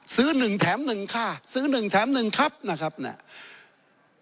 หนึ่งแถมหนึ่งค่ะซื้อหนึ่งแถมหนึ่งครับนะครับเนี่ย